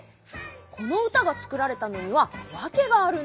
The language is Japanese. このうたがつくられたのにはワケがあるんだ。